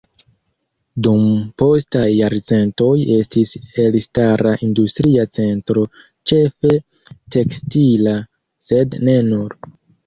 Dum postaj jarcentoj estis elstara industria centro ĉefe tekstila, sed ne nur.